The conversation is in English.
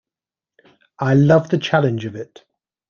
I love the challenge of it.